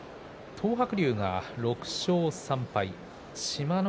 東白龍、６勝３敗志摩ノ